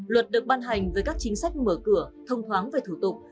luật được ban hành với các chính sách mở cửa thông thoáng về thủ tục